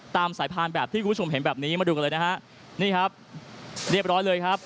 ที่คุณผู้ชมเห็นมาดูกันเลยนะฮะ